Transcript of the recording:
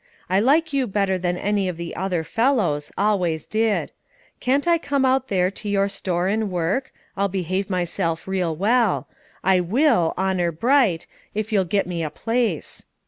I like you better than any of the other felows, always did. Can't I com out there to your store and work, I'll behave myself reel wel; I will, honour bright, if you'll git me a place.